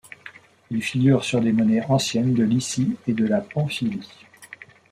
Il figure sur des monnaies anciennes de Lycie et de la Pamphylie.